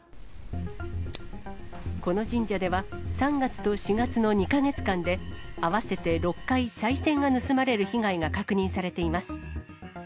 この神社では３月と４月の２か月間で、合わせて６回さい銭が盗まれる被害が確認されています。